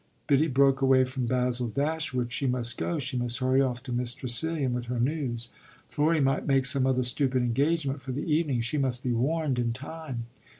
Biddy broke away from Basil Dashwood: she must go, she must hurry off to Miss Tressilian with her news. Florry might make some other stupid engagement for the evening: she must be warned in time.